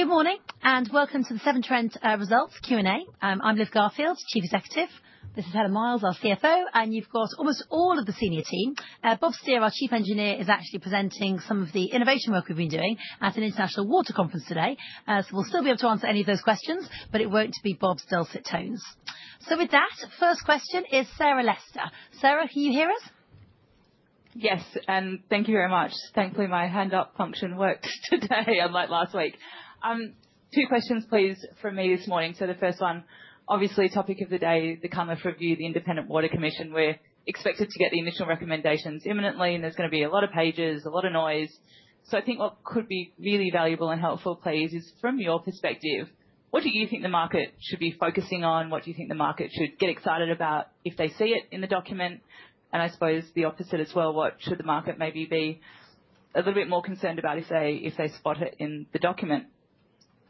Good morning and welcome to the Severn Trent results Q&A. I'm Liv Garfield, Chief Executive. This is Helen Miles, our CFO, and you've got almost all of the senior team. Bob Stear, our Chief Engineer, is actually presenting some of the innovation work we've been doing at an international water conference today. We will still be able to answer any of those questions, but it will not be Bob's dulcet tones. With that, first question is [Sarah Lester]. Sarah, can you hear us? Yes, and thank you very much. Thankfully, my hand-up function works today, unlike last week. Two questions, please, from me this morning. The first one, obviously topic of the day, the Cunliffe Review, the Independent Water Commission. We're expected to get the initial recommendations imminently, and there's going to be a lot of pages, a lot of noise. I think what could be really valuable and helpful, please, is from your perspective, what do you think the market should be focusing on? What do you think the market should get excited about if they see it in the document? I suppose the opposite as well. What should the market maybe be a little bit more concerned about if they spot it in the document?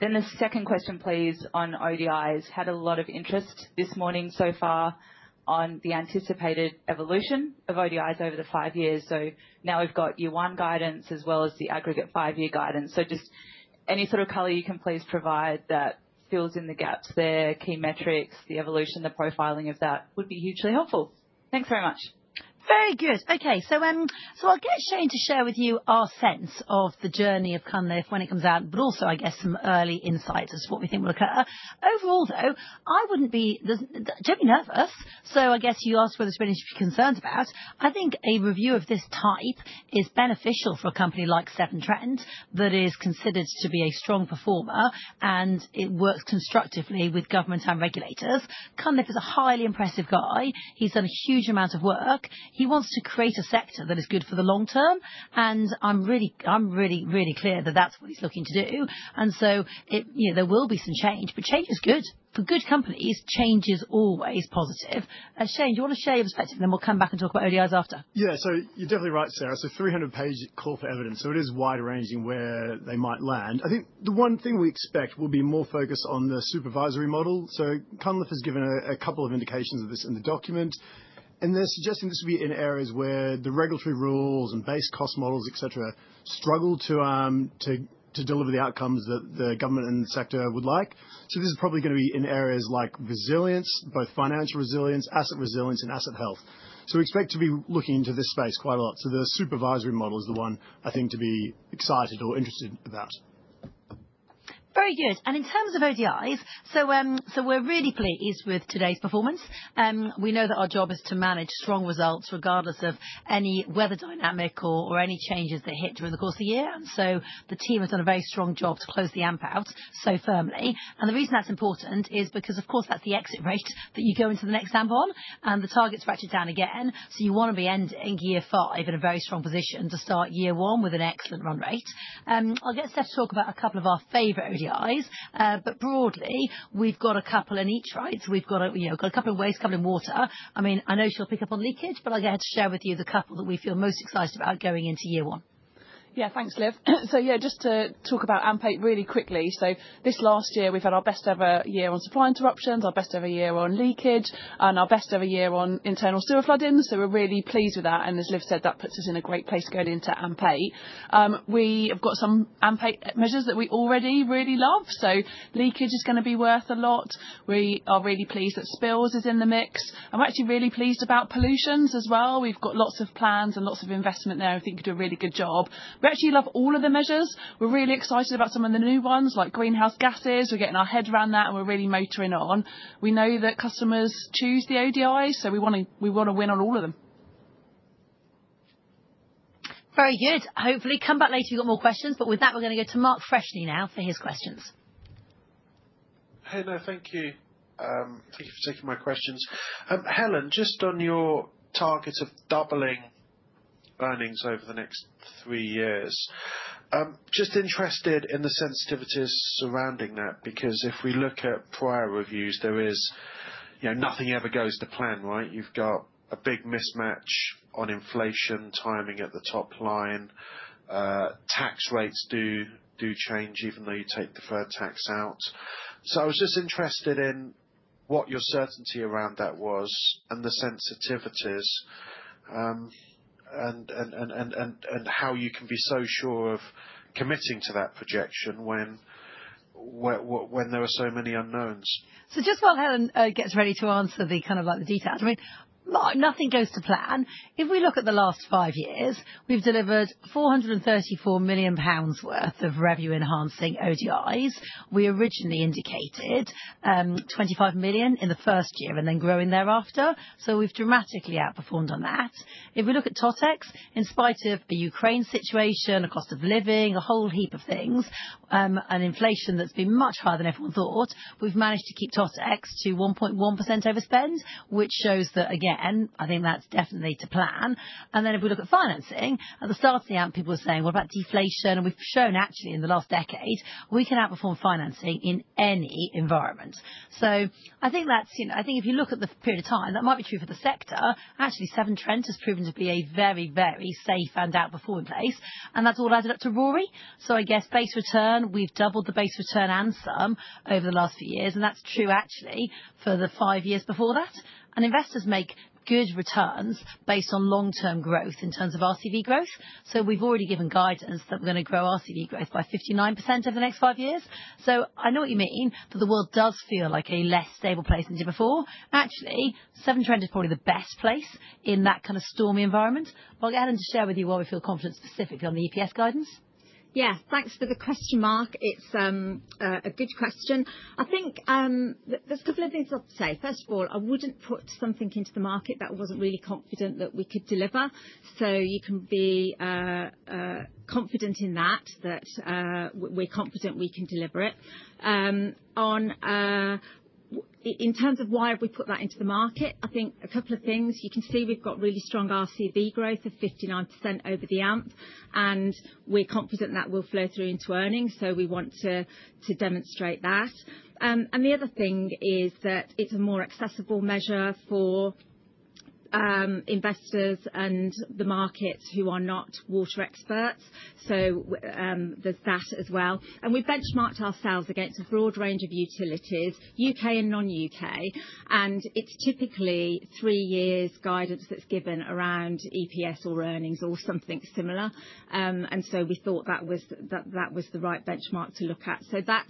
The second question, please, on ODIs. Had a lot of interest this morning so far on the anticipated evolution of ODIs over the five years. Now we've got year one guidance as well as the aggregate five-year guidance. Just any sort of color you can please provide that fills in the gaps there, key metrics, the evolution, the profiling of that would be hugely helpful. Thanks very much. Very good. Okay. I'll get Shane to share with you our sense of the journey of Cunliffe when it comes out, but also, I guess, some early insights as to what we think will occur. Overall, though, I wouldn't be, there's, don't be nervous. I guess you asked whether there's anything to be concerned about. I think a review of this type is beneficial for a company like Severn Trent that is considered to be a strong performer, and it works constructively with government and regulators. Cunliffe is a highly impressive guy. He's done a huge amount of work. He wants to create a sector that is good for the long term. I'm really, really clear that that's what he's looking to do. It, you know, there will be some change. Change is good. For good companies, change is always positive. Shane, do you wanna share your perspective? We will come back and talk about ODIs after. Yeah. You're definitely right, Sarah. 300-page corporate evidence. It is wide-ranging where they might land. I think the one thing we expect will be more focus on the supervisory model. Cunliffe has given a couple of indications of this in the document. They're suggesting this would be in areas where the regulatory rules and base cost models, etc., struggle to deliver the outcomes that the government and sector would like. This is probably going to be in areas like resilience, both financial resilience, asset resilience, and asset health. We expect to be looking into this space quite a lot. The supervisory model is the one, I think, to be excited or interested about. Very good. In terms of ODIs, we are really pleased with today's performance. We know that our job is to manage strong results regardless of any weather dynamic or any changes that hit during the course of the year. The team has done a very strong job to close the AMP out so firmly. The reason that is important is because, of course, that is the exit rate that you go into the next AMP on, and the targets fracture down again. You want to be ending year five in a very strong position to start year one with an excellent run rate. I will get Steph to talk about a couple of our favorite ODIs. Broadly, we have got a couple in each, right? We have got a couple of waste covering water. I mean, I know she'll pick up on leakage, but I'll go ahead to share with you the couple that we feel most excited about going into year one. Yeah. Thanks, Liv. Yeah, just to talk about AMP8 really quickly. This last year, we've had our best-ever year on supply interruptions, our best-ever year on leakage, and our best-ever year on internal sewer flooding. We're really pleased with that. As Liv said, that puts us in a great place going into AMP8. We have got some AMP8 measures that we already really love. Leakage is gonna be worth a lot. We're really pleased that spills is in the mix. We're actually really pleased about pollutions as well. We've got lots of plans and lots of investment there. I think we do a really good job. We actually love all of the measures. We're really excited about some of the new ones, like greenhouse gases. We're getting our head around that, and we're really motoring on. We know that customers choose the ODIs, so we wanna, we wanna win on all of them. Very good. Hopefully, come back later if you've got more questions. With that, we're gonna go to [Mark Freshney] now for his questions. Hey, no, thank you. Thank you for taking my questions. Helen, just on your targets of doubling earnings over the next three years, just interested in the sensitivities surrounding that, because if we look at prior reviews, there is, you know, nothing ever goes to plan, right? You've got a big mismatch on inflation, timing at the top line, tax rates do change even though you take the fur tax out. I was just interested in what your certainty around that was and the sensitivities, and how you can be so sure of committing to that projection when there are so many unknowns. Just while Helen gets ready to answer the kind of like the details, I mean, nothing goes to plan. If we look at the last five years, we have delivered 434 million pounds worth of revenue-enhancing ODIs. We originally indicated 25 million in the first year and then growing thereafter. We have dramatically outperformed on that. If we look at TOTEX, in spite of a Ukraine situation, a cost of living, a whole heap of things, and inflation that has been much higher than everyone thought, we have managed to keep TOTEX to 1.1% overspend, which shows that, again, I think that is definitely to plan. If we look at financing, at the start of the amp, people were saying, "What about deflation?" We have shown, actually, in the last decade, we can outperform financing in any environment. I think that's, you know, I think if you look at the period of time, that might be true for the sector. Actually, Severn Trent has proven to be a very, very safe and outperforming place. That's all added up to RORI. I guess base return, we've doubled the base return and some over the last few years. That's true, actually, for the five years before that. Investors make good returns based on long-term growth in terms of RCV growth. We've already given guidance that we're gonna grow RCV growth by 59% over the next five years. I know what you mean, but the world does feel like a less stable place than it did before. Actually, Severn Trent is probably the best place in that kind of stormy environment. I'll get Helen to share with you why we feel confident specifically on the EPS guidance. Yeah. Thanks for the question, Mark. It's a good question. I think there's a couple of things I'd say. First of all, I wouldn't put something into the market that I wasn't really confident that we could deliver. You can be confident in that, that we're confident we can deliver it. In terms of why have we put that into the market, I think a couple of things. You can see we've got really strong RCV growth of 59% over the AMP, and we're confident that will flow through into earnings. We want to demonstrate that. The other thing is that it's a more accessible measure for investors and the market who are not water experts. There's that as well. We've benchmarked ourselves against a broad range of utilities, U.K. and non-U.K. It is typically three years' guidance that is given around EPS or earnings or something similar. We thought that was the right benchmark to look at. That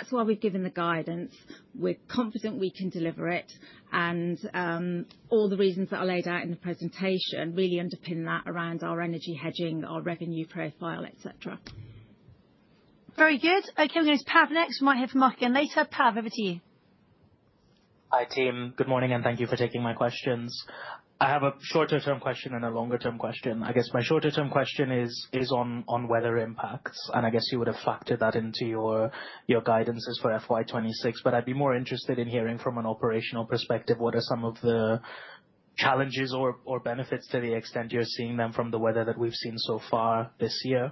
is why we have given the guidance. We are confident we can deliver it. All the reasons that are laid out in the presentation really underpin that around our energy hedging, our revenue profile, etc. Very good. Okay. We're gonna have Pav next. We might hear from Mark again later. Pav, over to you. Hi, team. Good morning, and thank you for taking my questions. I have a shorter-term question and a longer-term question. I guess my shorter-term question is on weather impacts. I guess you would have factored that into your guidances for FY 2026. I would be more interested in hearing from an operational perspective, what are some of the challenges or benefits to the extent you're seeing them from the weather that we've seen so far this year?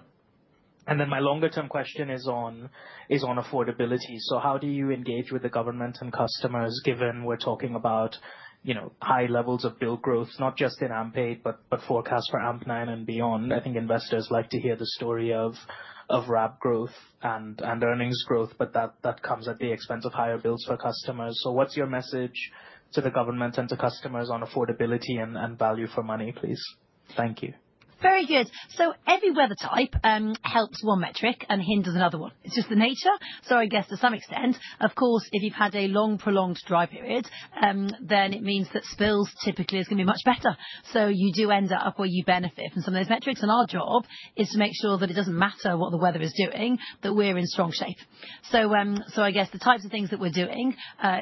My longer-term question is on affordability. How do you engage with the government and customers, given we're talking about, you know, high levels of bill growth, not just in AMP8, but forecast for AMP9 and beyond? I think investors like to hear the story of RAP growth and earnings growth, but that comes at the expense of higher bills for customers. What is your message to the government and to customers on affordability and value for money, please? Thank you. Very good. Every weather type helps one metric and hinders another one. It is just the nature. I guess to some extent, of course, if you have had a long, prolonged dry period, then it means that spills typically are going to be much better. You do end up where you benefit from some of those metrics. Our job is to make sure that it does not matter what the weather is doing, that we are in strong shape. I guess the types of things that we are doing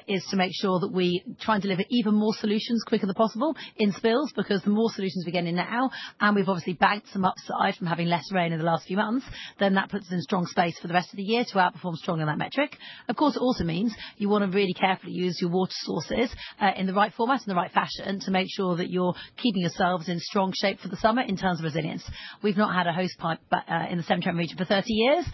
is to make sure that we try and deliver even more solutions quicker than possible in spills, because the more solutions we get in now, and we have obviously banked some upside from having less rain in the last few months, then that puts us in strong space for the rest of the year to outperform strong on that metric. Of course, it also means you wanna really carefully use your water sources, in the right format and the right fashion to make sure that you're keeping yourselves in strong shape for the summer in terms of resilience. We've not had a hosepipe in the Severn Trent region for 30 years.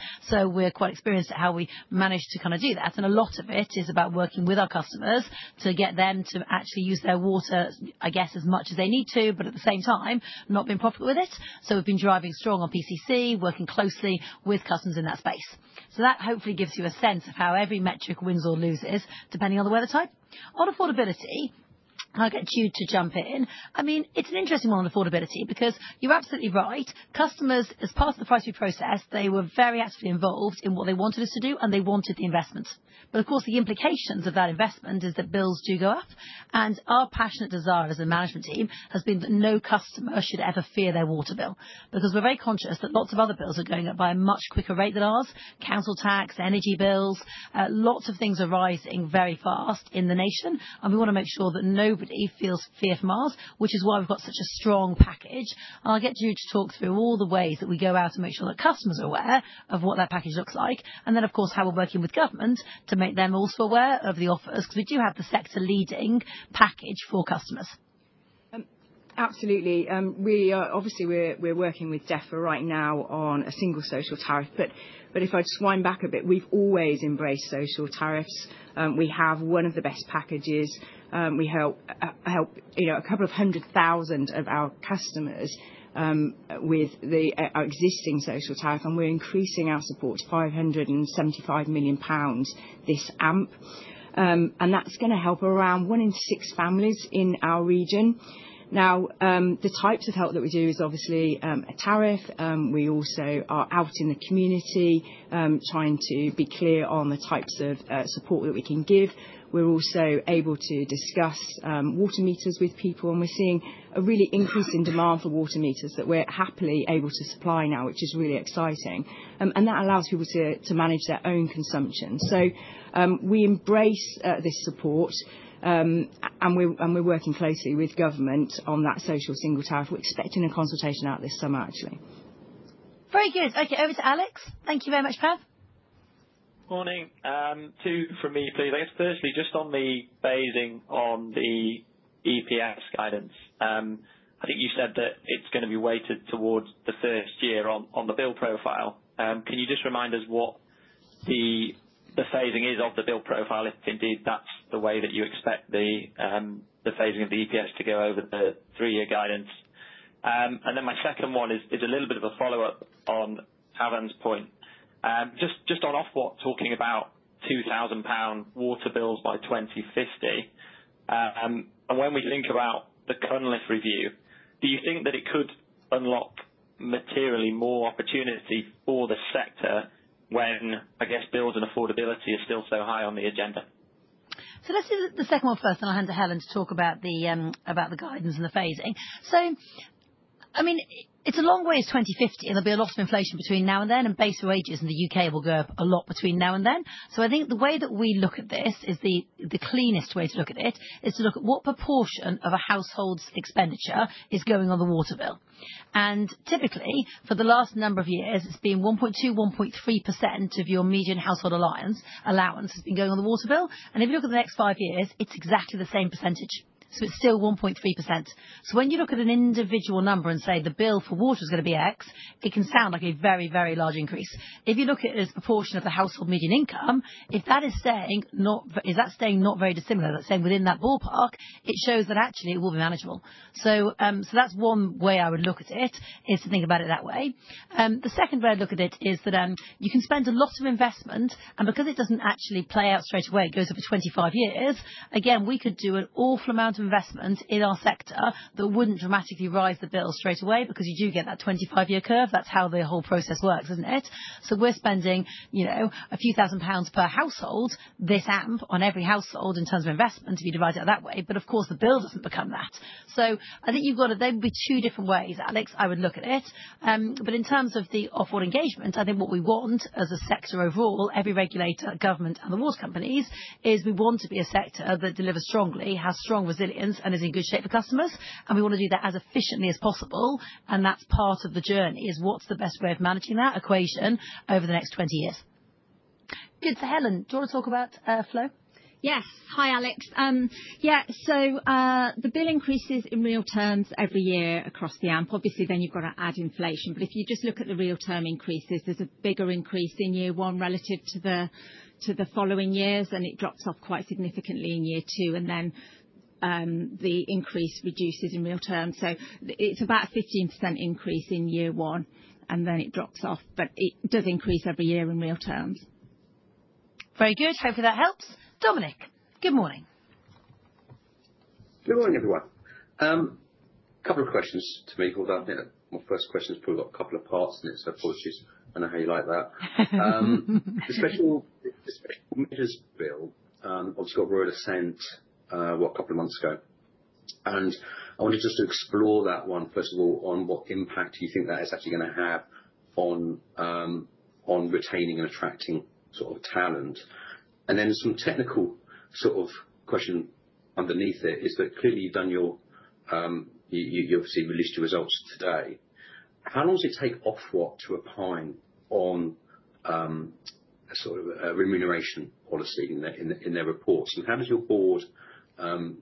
We are quite experienced at how we manage to kinda do that. A lot of it is about working with our customers to get them to actually use their water, I guess, as much as they need to, but at the same time, not being profligate with it. We have been driving strong on PCC, working closely with customers in that space. That hopefully gives you a sense of how every metric wins or loses depending on the weather type. On affordability, I'll get you to jump in. I mean, it's an interesting one on affordability because you're absolutely right. Customers, as part of the pricing process, they were very actively involved in what they wanted us to do, and they wanted the investment. Of course, the implications of that investment is that bills do go up. Our passionate desire as a management team has been that no customer should ever fear their water bill, because we're very conscious that lots of other bills are going up by a much quicker rate than ours. Council tax, energy bills, lots of things are rising very fast in the nation. We want to make sure that nobody feels fear from ours, which is why we've got such a strong package. I'll get you to talk through all the ways that we go out and make sure that customers are aware of what that package looks like. Of course, how we're working with government to make them also aware of the offers, 'cause we do have the sector-leading package for customers. Absolutely. We are, obviously, we're working with DEFRA right now on a single social tariff. If I just wind back a bit, we've always embraced social tariffs. We have one of the best packages. We help, you know, a couple of hundred thousand of our customers with our existing social tariff. We're increasing our support to 575 million pounds this AMP, and that's gonna help around one in six families in our region. Now, the types of help that we do is, obviously, a tariff. We also are out in the community, trying to be clear on the types of support that we can give. We're also able to discuss water meters with people, and we're seeing a really increase in demand for water meters that we're happily able to supply now, which is really exciting. That allows people to manage their own consumption. We embrace this support, and we're working closely with government on that social single tariff. We're expecting a consultation out this summer, actually. Very good. Okay. Over to Alex. Thank you very much, Pav. Morning. Two from me, please. I guess, firstly, just on the phasing on the EPS guidance. I think you said that it's gonna be weighted towards the first year on, on the bill profile. Can you just remind us what the phasing is of the bill profile, if indeed that's the way that you expect the phasing of the EPS to go over the three-year guidance? And then my second one is, is a little bit of a follow-up on Helen's point. Just, just on Ofwat talking about 2,000 pound water bills by 2050. And when we think about the Cunliffe Review, do you think that it could unlock materially more opportunity for the sector when, I guess, bills and affordability are still so high on the agenda? Let's do the second one first, and I'll hand to Helen to talk about the guidance and the phasing. I mean, it's a long way to 2050. There will be a lot of inflation between now and then, and base wages in the U.K. will go up a lot between now and then. I think the way that we look at this is the cleanest way to look at it is to look at what proportion of a household's expenditure is going on the water bill. Typically, for the last number of years, it's been 1.2%, 1.3% of your median household allowance has been going on the water bill. If you look at the next five years, it's exactly the same percentage. It's still 1.3%. When you look at an individual number and say the bill for water is gonna be X, it can sound like a very, very large increase. If you look at it as a proportion of the household median income, if that is staying not, is that staying not very dissimilar, that's staying within that ballpark, it shows that actually it will be manageable. That's one way I would look at it, is to think about it that way. The second way I'd look at it is that you can spend a lot of investment, and because it doesn't actually play out straight away, it goes over 25 years. Again, we could do an awful amount of investment in our sector that wouldn't dramatically raise the bill straight away, because you do get that 25-year curve. That's how the whole process works, isn't it? We're spending, you know, a few thousand pounds per household, this AMP, on every household in terms of investment if you divide it out that way. Of course, the bill does not become that. I think you've got to, there would be two different ways, Alex, I would look at it. In terms of the Ofwat engagement, I think what we want as a sector overall, every regulator, government, and the water companies, is we want to be a sector that delivers strongly, has strong resilience, and is in good shape for customers. We want to do that as efficiently as possible. That is part of the journey, what is the best way of managing that equation over the next 20 years. Good. Helen, do you want to talk about flow? Yes. Hi, Alex. Yeah. So, the bill increases in real terms every year across the AMP. Obviously, then you've gotta add inflation. If you just look at the real-term increases, there's a bigger increase in year one relative to the following years, and it drops off quite significantly in year two. The increase reduces in real terms. It's about a 15% increase in year one, and then it drops off. It does increase every year in real terms. Very good. Hopefully, that helps. Dominic, good morning. Good morning, everyone. A couple of questions to me. Hold on. Yeah. My first question's probably got a couple of parts in it, so apologies. I know how you like that. The special, the special meters bill obviously got really sent, what, a couple of months ago. I wanted just to explore that one, first of all, on what impact you think that is actually gonna have on, on retaining and attracting sort of talent. Then some technical sort of question underneath it is that clearly you've done your, you obviously released your results today. How long does it take Ofwat to opine on, a sort of, remuneration policy in their, in their, in their reports? How does your board, and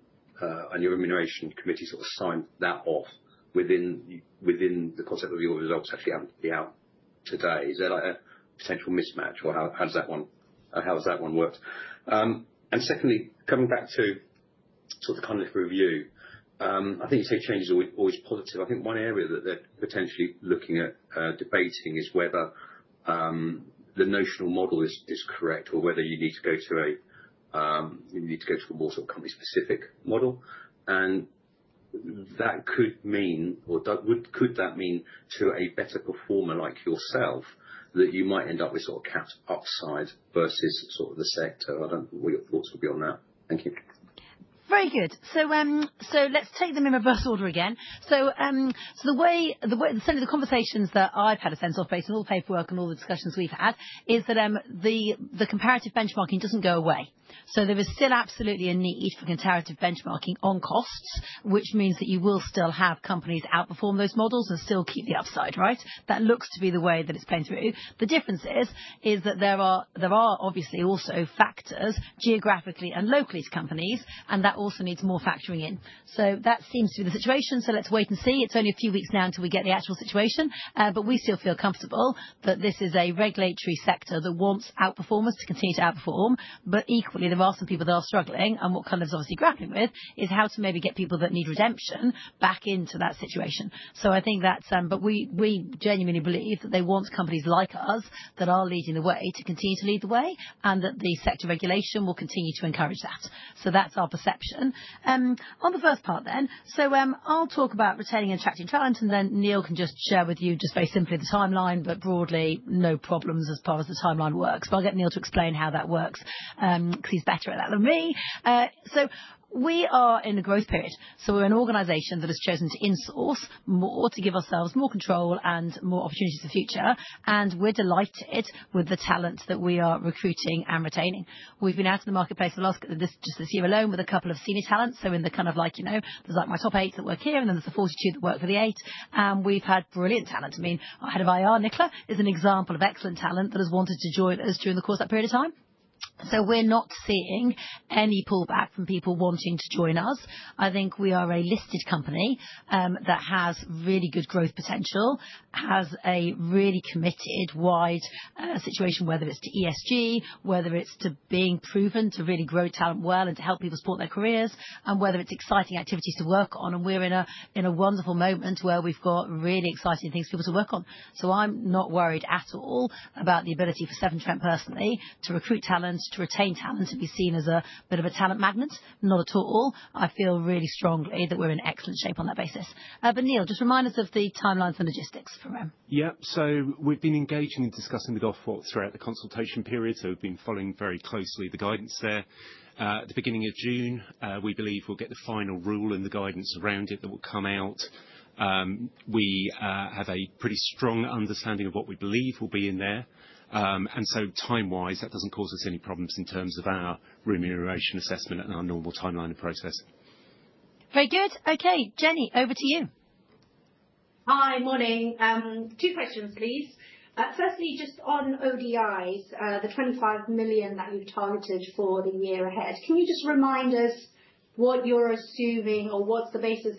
your remuneration committee sort of sign that off within, within the concept of your results actually out, be out today? Is there like a potential mismatch, or how does that one, how has that one worked? Secondly, coming back to sort of the Cunliffe Review, I think you say changes are always, always positive. I think one area that they're potentially looking at, debating is whether the notional model is correct, or whether you need to go to a, you need to go to a water company-specific model. That could mean, or would, could that mean to a better performer like yourself that you might end up with sort of capped upside versus sort of the sector? I do not know what your thoughts would be on that. Thank you. Very good. Let's take them in reverse order again. The way the center of the conversations that I've had a sense of based on all the paperwork and all the discussions we've had is that the comparative benchmarking does not go away. There is still absolutely a need for comparative benchmarking on costs, which means that you will still have companies outperform those models and still keep the upside, right? That looks to be the way that it is playing through. The difference is that there are obviously also factors geographically and locally to companies, and that also needs more factoring in. That seems to be the situation. Let's wait and see. It is only a few weeks now until we get the actual situation. but we still feel comfortable that this is a regulatory sector that wants outperformers to continue to outperform. Equally, there are some people that are struggling. What Cunliffe is obviously grappling with is how to maybe get people that need redemption back into that situation. I think that's, but we genuinely believe that they want companies like us that are leading the way to continue to lead the way, and that the sector regulation will continue to encourage that. That's our perception. On the first part then, I'll talk about retaining and attracting talent, and then Neil can just share with you just very simply the timeline, but broadly, no problems as far as the timeline works. I'll get Neil to explain how that works, 'cause he's better at that than me. We are in a growth period. We're an organization that has chosen to insource more to give ourselves more control and more opportunities for the future. We're delighted with the talent that we are recruiting and retaining. We've been out in the marketplace just this year alone with a couple of senior talents. In the kind of like, you know, there's like my top eight that work here, and then there's the 42 that work for the eight. We've had brilliant talent. I mean, our Head of IR, Nicola, is an example of excellent talent that has wanted to join us during the course of that period of time. We're not seeing any pullback from people wanting to join us. I think we are a listed company that has really good growth potential, has a really committed, wide situation, whether it's to ESG, whether it's to being proven to really grow talent well and to help people support their careers, and whether it's exciting activities to work on. We are in a wonderful moment where we've got really exciting things for people to work on. I'm not worried at all about the ability for Severn Trent personally to recruit talent, to retain talent, to be seen as a bit of a talent magnet. Not at all. I feel really strongly that we're in excellent shape on that basis. Neil, just remind us of the timelines and logistics for them. Yep. We have been engaging and discussing with Ofwat throughout the consultation period. We have been following very closely the guidance there. At the beginning of June, we believe we will get the final rule and the guidance around it that will come out. We have a pretty strong understanding of what we believe will be in there. Time-wise, that does not cause us any problems in terms of our remuneration assessment and our normal timeline and process. Very good. Okay. Jenny, over to you. Hi, morning. Two questions, please. Firstly, just on ODIs, the 25 million that you've targeted for the year ahead, can you just remind us what you're assuming or what's the basis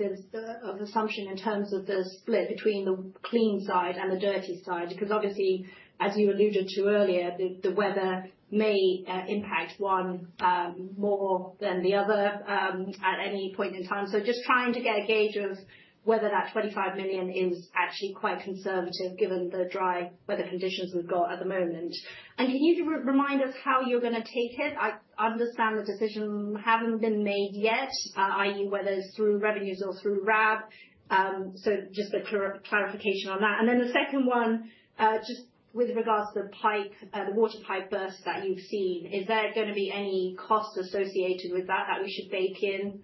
of assumption in terms of the split between the clean side and the dirty side? Because obviously, as you alluded to earlier, the weather may impact one more than the other at any point in time. Just trying to get a gauge of whether that 25 million is actually quite conservative given the dry weather conditions we've got at the moment. Can you remind us how you're gonna take it? I understand the decision hasn't been made yet, i.e., whether it's through revenues or through [RCV]. Just a clarification on that. Then the second one, just with regards to the pipe, the water pipe burst that you've seen, is there gonna be any cost associated with that that we should bake in?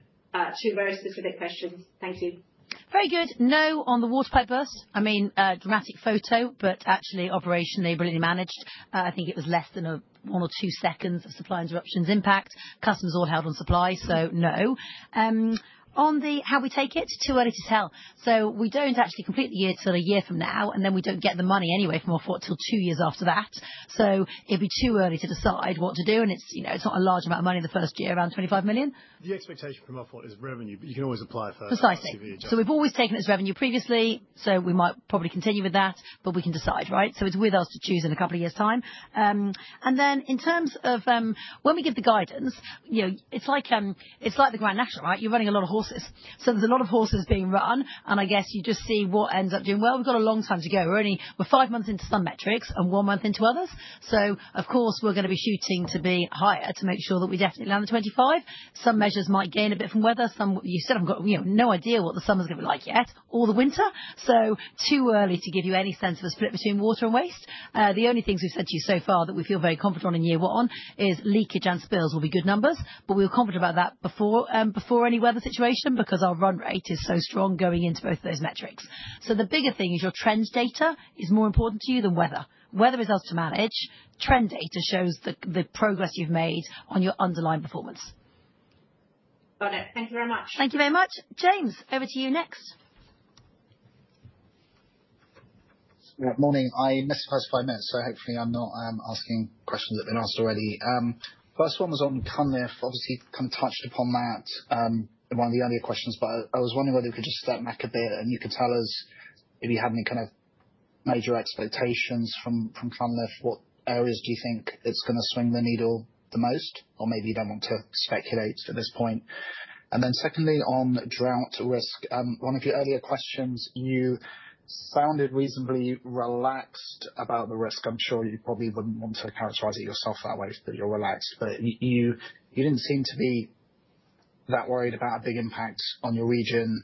Two very specific questions. Thank you. Very good. No, on the water pipe burst. I mean, dramatic photo, but actually operationally brilliantly managed. I think it was less than one or two seconds of supply interruptions impact. Customers all held on supply, so no. On the how we take it, too early to tell. We do not actually complete the year till a year from now, and then we do not get the money anyway from Ofwat till two years after that. It would be too early to decide what to do. And it is, you know, it is not a large amount of money in the first year, around 25 million. The expectation from OFWAT is revenue, but you can always apply for. Precisely. ACV agenda. We've always taken it as revenue previously, so we might probably continue with that, but we can decide, right? It is with us to choose in a couple of years' time. In terms of when we give the guidance, you know, it's like the Grand National, right? You're running a lot of horses. There are a lot of horses being run, and I guess you just see what ends up doing well. We've got a long time to go. We're only five months into some metrics and one month into others. Of course, we're gonna be shooting to be higher to make sure that we definitely land the 25. Some measures might gain a bit from weather. Some, you said, I've got, you know, no idea what the summer's gonna be like yet or the winter. Too early to give you any sense of a split between water and waste. The only things we've said to you so far that we feel very confident on in year one is leakage and spills will be good numbers, but we were confident about that before, before any weather situation because our run rate is so strong going into both of those metrics. The bigger thing is your trend data is more important to you than weather. Weather is us to manage. Trend data shows the progress you've made on your underlying performance. Got it. Thank you very much. Thank you very much. James, over to you next. Yeah. Morning. I missed the first five minutes, so hopefully I'm not asking questions that have been asked already. First one was on Cunliffe. Obviously, kind of touched upon that in one of the earlier questions, but I was wondering whether we could just step back a bit and you could tell us if you had any kind of major expectations from Cunliffe. What areas do you think it's gonna swing the needle the most? Or maybe you do not want to speculate at this point. And then secondly, on drought risk, one of your earlier questions, you sounded reasonably relaxed about the risk. I'm sure you probably would not want to characterize it yourself that way, that you're relaxed, but you did not seem to be that worried about a big impact on your region.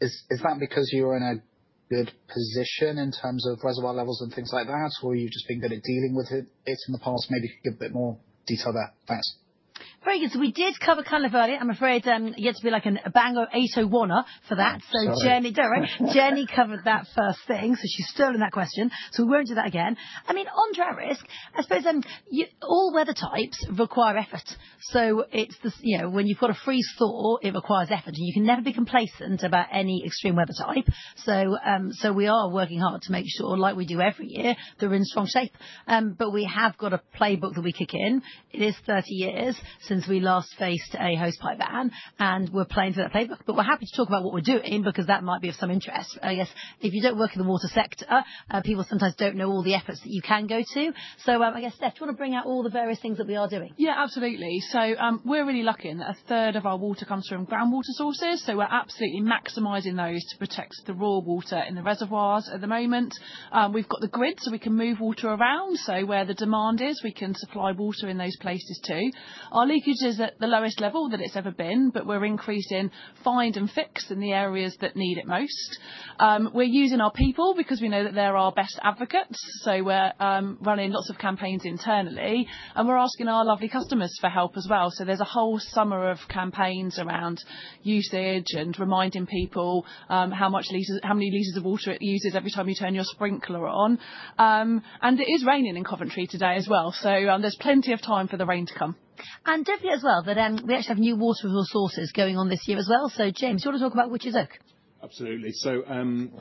Is that because you're in a good position in terms of reservoir levels and things like that, or you've just been good at dealing with it in the past? Maybe you could give a bit more detail about that. Very good. We did cover Cunliffe earlier. I'm afraid you had to be like an AMP8-er for that. Yeah. Jenny, do not worry. Jenny covered that first thing, so she has stolen that question. We will not do that again. I mean, on drought risk, I suppose, you know, all weather types require effort. It is the, you know, when you have got a freeze-thaw, it requires effort, and you can never be complacent about any extreme weather type. We are working hard to make sure, like we do every year, they are in strong shape. We have got a playbook that we kick in. It is 30 years since we last faced a hosepipe ban, and we are playing through that playbook. We are happy to talk about what we are doing because that might be of some interest, I guess. If you do not work in the water sector, people sometimes do not know all the efforts that you can go to. I guess, Steph, do you wanna bring out all the various things that we are doing? Yeah, absolutely. We're really lucky in that a third of our water comes from groundwater sources, so we're absolutely maximizing those to protect the raw water in the reservoirs at the moment. We've got the grid so we can move water around. Where the demand is, we can supply water in those places too. Our leakage is at the lowest level that it's ever been, but we're increasing find and fix in the areas that need it most. We're using our people because we know that they're our best advocates. We're running lots of campaigns internally, and we're asking our lovely customers for help as well. There's a whole summer of campaigns around usage and reminding people how much liters, how many liters of water it uses every time you turn your sprinkler on. and it is raining in Coventry today as well, so, there is plenty of time for the rain to come. We actually have new water resources going on this year as well. James, do you wanna talk about Witch's Oak? Absolutely.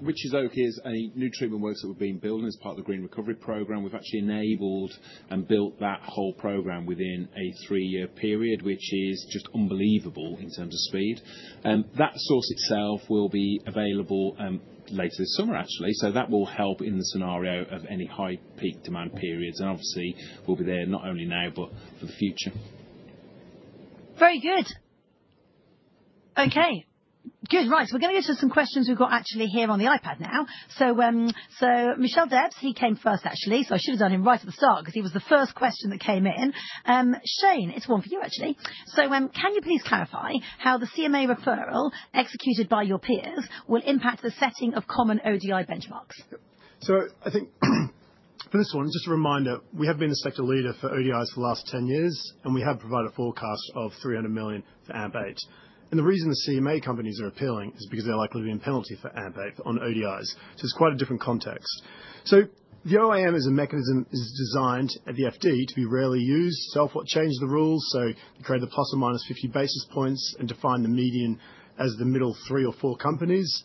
Witch's Oak is a new treatment works that we've been building as part of the Green Recovery Program. We've actually enabled and built that whole program within a three-year period, which is just unbelievable in terms of speed. That source itself will be available later this summer, actually. That will help in the scenario of any high peak demand periods. Obviously, we'll be there not only now, but for the future. Very good. Okay. Good. Right. So we're gonna get to some questions. We've got actually here on the iPad now. So, Michelle Debbs, he came first, actually, so I should have done him right at the start 'cause he was the first question that came in. Shane, it's one for you, actually. Can you please clarify how the CMA referral executed by your peers will impact the setting of common ODI benchmarks? Yep. I think for this one, just a reminder, we have been the sector leader for ODIs for the last 10 years, and we have provided a forecast of 300 million for AMP8. The reason the CMA companies are appealing is because they are likely to be in penalty for AMP8 on ODIs. It is quite a different context. The OAM is a mechanism that is designed at the FD to be rarely used. Ofwat changed the rules. They created the plus or minus 50 basis points and defined the median as the middle three or four companies.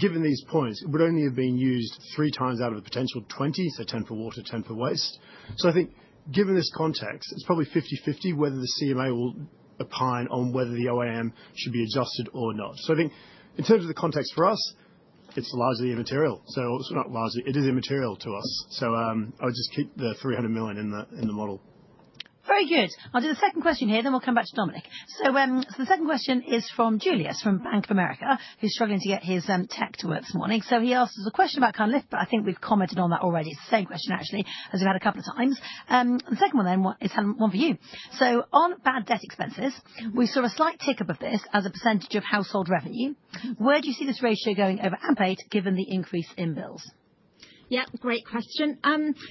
Given these points, it would only have been used three times out of a potential 20, 10 for water, 10 for waste. I think given this context, it is probably 50/50 whether the CMA will opine on whether the OAM should be adjusted or not. I think in terms of the context for us, it's largely immaterial. It's not largely, it is immaterial to us. I would just keep the 300 million in the model. Very good. I'll do the second question here, then we'll come back to Dominic. The second question is from Julius from Bank of America, who's struggling to get his tech to work this morning. He asked us a question about Cunliffe, but I think we've commented on that already. It's the same question, actually, as we've had a couple of times. The second one then is one for you. On bad debt expenses, we saw a slight tick up of this as a percentage of household revenue. Where do you see this ratio going over AMP8 given the increase in bills? Yep. Great question.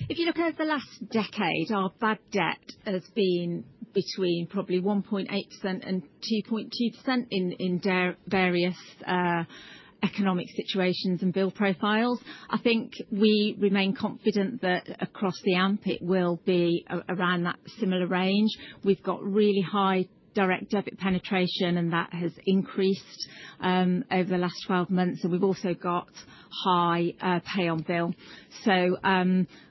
If you look at the last decade, our bad debt has been between probably 1.8% and 2.2% in various economic situations and bill profiles. I think we remain confident that across the AMP, it will be around that similar range. We've got really high direct debit penetration, and that has increased over the last 12 months. We've also got high pay on bill.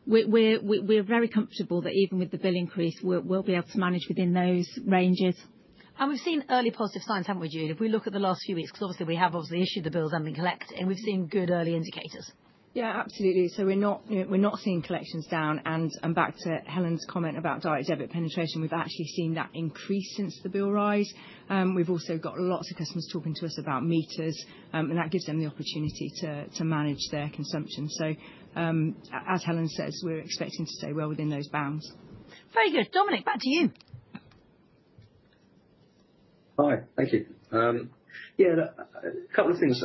We're very comfortable that even with the bill increase, we'll be able to manage within those ranges. We have seen early positive signs, have we not, Jude? If we look at the last few weeks, because obviously we have issued the bills and been collecting, we have seen good early indicators. Yeah, absolutely. We're not seeing collections down. Back to Helen's comment about direct debit penetration, we've actually seen that increase since the bill rise. We've also got lots of customers talking to us about meters, and that gives them the opportunity to manage their consumption. As Helen says, we're expecting to stay well within those bounds. Very good. Dominic, back to you. Hi. Thank you. Yeah, a couple of things.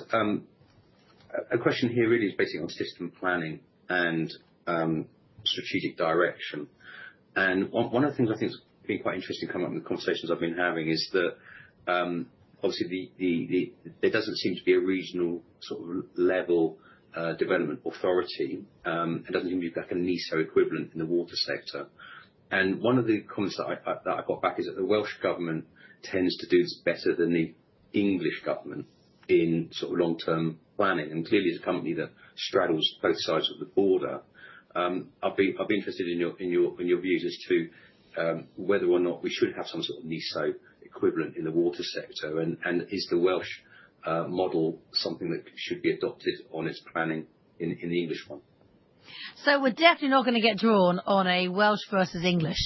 A question here really is basically on system planning and strategic direction. One of the things I think's been quite interesting coming up in the conversations I've been having is that, obviously, there doesn't seem to be a regional sort of level development authority. It doesn't seem to be like a NESO equivalent in the water sector. One of the comments that I got back is that the Welsh government tends to do this better than the English government in sort of long-term planning. Clearly, it's a company that straddles both sides of the border. I'll be interested in your views as to whether or not we should have some sort of NESO equivalent in the water sector. Is the Welsh model something that should be adopted on its planning in the English one? We're definitely not gonna get drawn on a Welsh versus English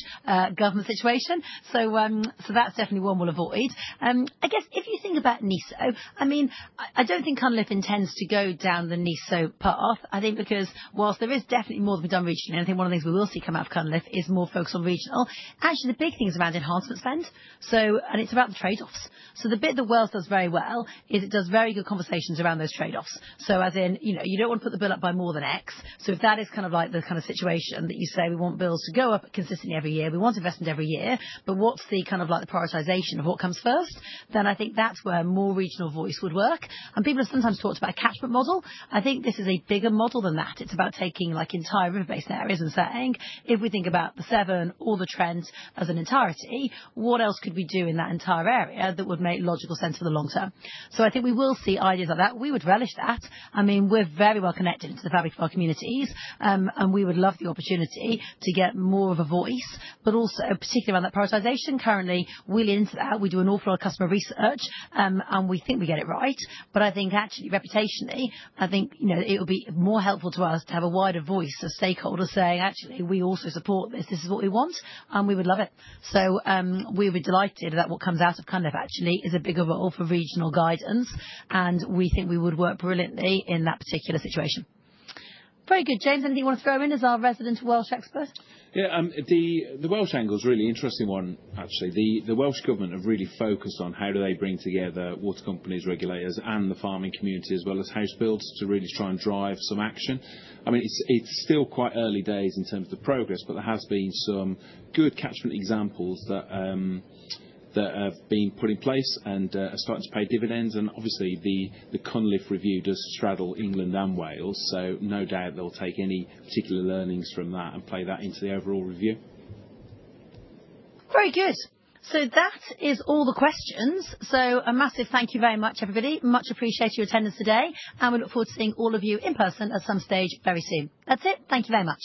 government situation. That's definitely one we'll avoid. I guess if you think about NESO, I don't think Cunliffe intends to go down the NESO path, I think, because whilst there is definitely more that we've done regionally, and I think one of the things we will see come out of Cunliffe is more focus on regional. Actually, the big thing's around enhancement spend, and it's about the trade-offs. The bit that Wales does very well is it does very good conversations around those trade-offs, as in, you know, you don't wanna put the bill up by more than X. If that is kind of like the kind of situation that you say, "We want bills to go up consistently every year. We want investment every year, but what's the kind of like the prioritization of what comes first? I think that's where more regional voice would work. People have sometimes talked about a catchment model. I think this is a bigger model than that. It's about taking like entire river-based areas and saying, "If we think about the Severn or the Trent as an entirety, what else could we do in that entire area that would make logical sense for the long term?" I think we will see ideas like that. We would relish that. I mean, we're very well connected into the fabric of our communities, and we would love the opportunity to get more of a voice, but also particularly around that prioritization. Currently, we lean into that. We do an awful lot of customer research, and we think we get it right. I think actually reputationally, I think, you know, it would be more helpful to us to have a wider voice of stakeholders saying, "Actually, we also support this. This is what we want, and we would love it." We would be delighted that what comes out of Cunliffe actually is a bigger role for regional guidance, and we think we would work brilliantly in that particular situation. Very good. James, anything you wanna throw in as our resident Welsh expert? Yeah. The Welsh angle's a really interesting one, actually. The Welsh government have really focused on how do they bring together water companies, regulators, and the farming community as well as households to really try and drive some action. I mean, it's still quite early days in terms of the progress, but there have been some good catchment examples that have been put in place and are starting to pay dividends. Obviously, the Cunliffe Review does straddle England and Wales, so no doubt they'll take any particular learnings from that and play that into the overall review. Very good. That is all the questions. A massive thank you very much, everybody. Much appreciate your attendance today, and we look forward to seeing all of you in person at some stage very soon. That's it. Thank you very much.